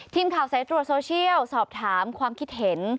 ทีมข่าวสายตรวจโซเชียลสอบถามความคิดเห็น